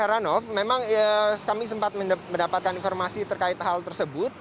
heranov memang kami sempat mendapatkan informasi terkait hal tersebut